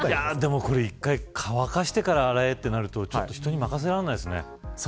でも一回乾かしてから洗えってなると人に任せられないですね。